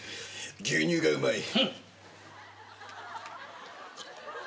牛乳がうまい。